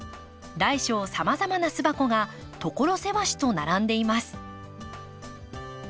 大小さまざまな巣箱が所狭しと並んでいます。